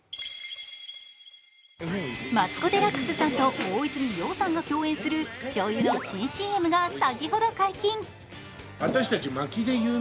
マツコ・デラックスさんと大泉洋さんが共演するしょうゆの新ＣＭが先ほど解禁。